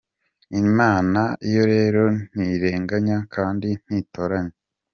Imana yo rero ntirenganya kandi ntitoranya.